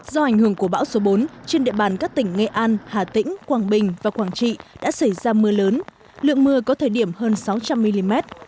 do ảnh hưởng của bão số bốn trên địa bàn các tỉnh nghệ an hà tĩnh quảng bình và quảng trị đã xảy ra mưa lớn lượng mưa có thời điểm hơn sáu trăm linh mm